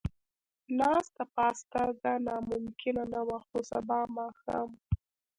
ناسته پاسته، نه دا ممکنه نه وه، خو سبا ماښام.